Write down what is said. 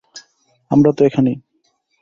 আমরা তো এখানেই।